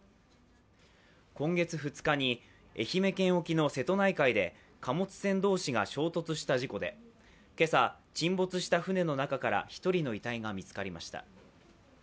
今月２日に愛媛県沖の瀬戸内海で貨物船同士が衝突した事故で今朝、沈没した船の中から１人の遺体が見つかりました。